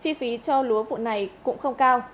chi phí cho lúa vụ này cũng không cao